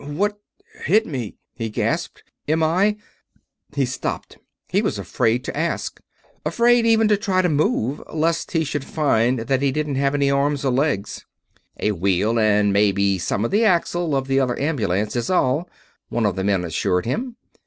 "What hit me?" he gasped. "Am I...?" He stopped. He was afraid to ask: afraid even to try to move, lest he should find that he didn't have any arms or legs. "A wheel, and maybe some of the axle, of the other ambulance, is all," one of the men assured him.